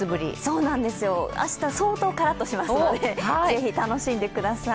そうなんですよ、明日、相当、カラッとしますのでぜひ楽しんでください。